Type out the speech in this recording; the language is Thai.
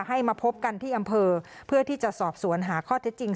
ให้มาพบกันที่อำเภอเพื่อที่จะสอบสวนหาข้อเท็จจริง